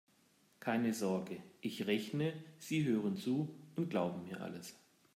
Keine Sorge: Ich rechne, Sie hören zu und glauben mir alles.